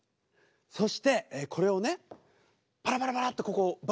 そしてこれをねパラパラパラッとここをばらまくの。